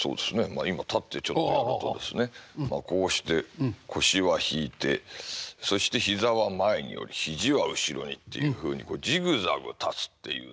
今立ってちょっとやるとですねこうして腰は引いてそして膝は前に折り肘は後ろにっていうふうにジグザグ立つっていうね。